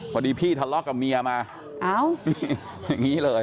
พอดีพี่ทะเลาะกับเมียมาอย่างนี้เลย